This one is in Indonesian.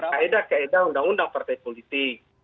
kaedah kaedah undang undang partai politik